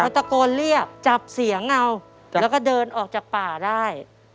ตะโกนเรียกจับเสียงเอาแล้วก็เดินออกจากป่าได้